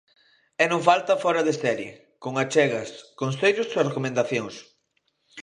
E non falta 'Fóra de serie', con achegas, consellos e recomendacións.